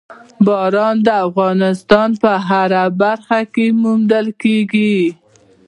باران د افغانستان په هره برخه کې موندل کېږي.